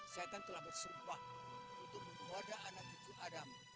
setan telah bersumpah untuk menghoda anak kuku adam